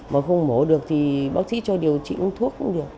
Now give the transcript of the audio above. mà không mổ được thì bác sĩ cho điều trị uống thuốc cũng được